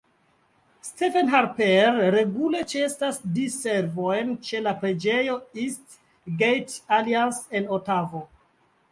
Stephen Harper regule ĉeestas diservojn ĉe la preĝejo East Gate Alliance en Otavo.